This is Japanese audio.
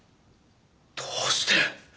どうして？